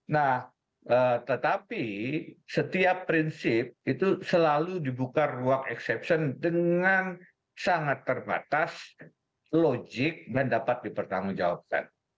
nah tetapi setiap prinsip itu selalu dibuka ruang exception dengan sangat terbatas logik dan dapat dipertanggungjawabkan